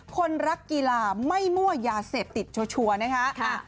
คนรักกีฬาไม่มั่วยาเสพติดชัวร์นะคะ